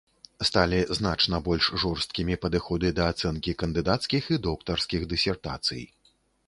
Сталі значна больш жорсткімі падыходы да ацэнкі кандыдацкіх і доктарскіх дысертацый.